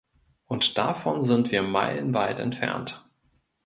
Und davon sind wir meilenweit entfernt!